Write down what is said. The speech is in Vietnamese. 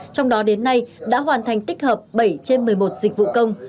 trong đó đến nay đã hoàn thành tích hợp bảy trên một mươi một dịch vụ công